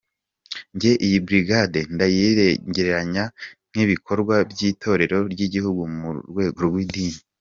Njye iyi brigade ndayigereranya nk’ibikorwa by’itorero ry’igihugu mu rwego rw’idini.